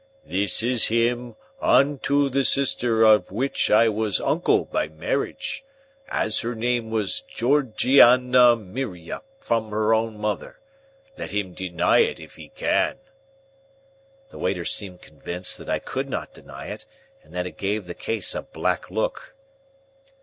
This is him untoe the sister of which I was uncle by marriage, as her name was Georgiana M'ria from her own mother, let him deny it if he can!" The waiter seemed convinced that I could not deny it, and that it gave the case a black look.